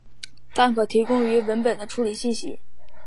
但可提供用于文本处理的信息。